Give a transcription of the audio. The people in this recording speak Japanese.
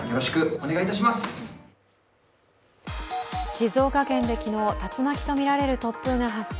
静岡県で昨日、竜巻とみられる突風が発生。